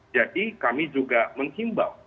jadi kami juga menghimbau